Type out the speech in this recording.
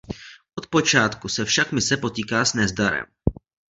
Od počátku se však mise potýká s nezdarem.